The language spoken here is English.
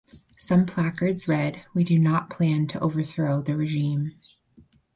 Some placards read "we do not plan to overthrow the regime".